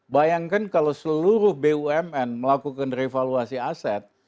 bayangkan kalau seluruh bumn melakukan revaluasi aset